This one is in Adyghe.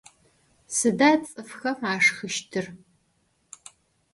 Sıda ts'ıfxem aşşxıştır?